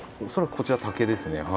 「恐らくこちらは竹ですね」